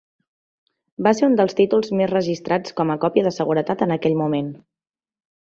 Va ser un dels títols més registrats com a còpia de seguretat en aquell moment.